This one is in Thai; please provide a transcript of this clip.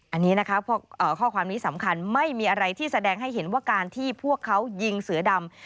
อันนี้นะคะข้อความนี้สำคัญไม่มีอะไรที่แสดงให้เห็นว่าการที่พวกเขายิงเสือดำ